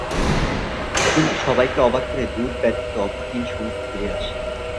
কিন্তু সবাইকে অবাক করে দূত ব্যতীত অপর তিন সঙ্গী ফিরে আসে।